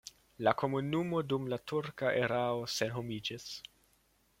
La komunumo dum la turka erao senhomiĝis.